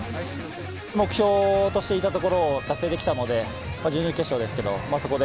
目標としていたところを達成できたので、準々決勝ですけど、そこで、